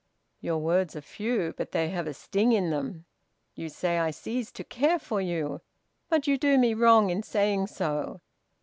"Your words are few; but they have a sting in them. You say I cease to care for you; but you do me wrong in saying so.